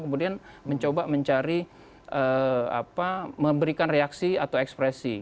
kemudian mencoba mencari memberikan reaksi atau ekspresi